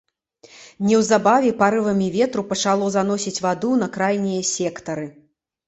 Неўзабаве парывамі ветру пачало заносіць ваду на крайнія сектары.